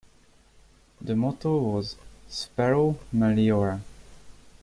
The motto was "Spero meliora".